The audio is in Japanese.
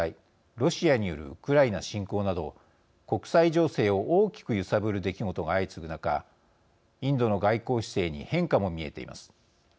ロシアによるウクライナ侵攻など国際情勢を大きく揺さぶる出来事が相次ぐ中インドの外交姿勢に変化も見えています。